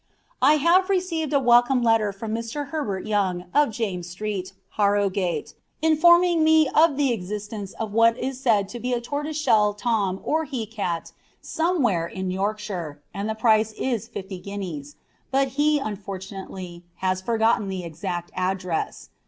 I have received a welcome letter from Mr. Herbert Young, of James Street, Harrogate, informing me of the existence of what is said to be a tortoiseshell tom or he cat somewhere in Yorkshire, and the price is fifty guineas; but he, unfortunately, has forgotten the exact address.